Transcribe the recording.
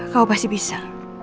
kau pasti bisa